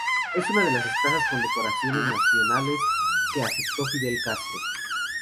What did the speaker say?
Es una de las escasas condecoraciones nacionales que aceptó Fidel Castro.